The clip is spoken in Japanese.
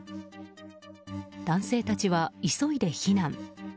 男性たちは急いで避難。